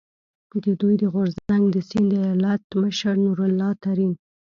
د دوی د غورځنګ د سیند ایالت مشر نور الله ترین،